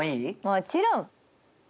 もちろん！